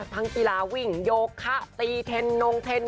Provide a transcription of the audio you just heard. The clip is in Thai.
ทั้งกีฬาวิ่งโยคคะตีเทนน๘๐๐